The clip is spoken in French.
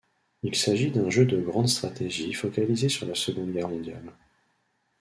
Il s'agit d'un jeu de grande stratégie focalisé sur la Seconde Guerre mondiale.